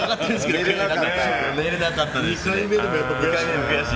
寝れなかったですし。